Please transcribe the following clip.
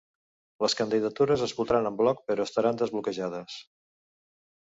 Les candidatures es votaran en bloc però estaran desbloquejades.